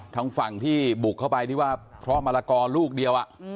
ทางฝั่งที่บุกเข้าไปที่ว่าเพราะมะละกอลูกเดียว